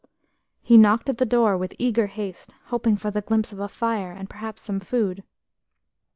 He knocked at the door with eager haste, hoping for the glimpse of a fire, and perhaps some food.